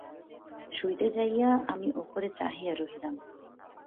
শুইতে যাইয়া আমি উপরে চাহিয়া রহিলাম।